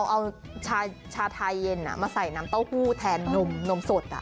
เอาชาไทยเย็นมาใส่น้ำเต้าหู้แทนนมสด